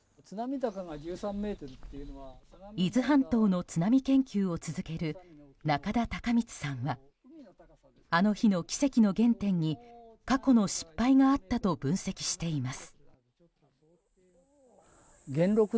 伊豆半島の津波研究を続ける中田剛充さんはあの日の奇跡の原点に過去の失敗があったと分析しています。